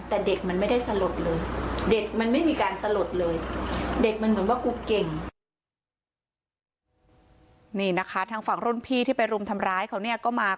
แต่เด็กมันไม่ได้สลดเลยเด็กมันไม่มีการสลดเลย